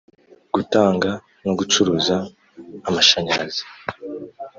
gutanga no gucuruza amashanyarazi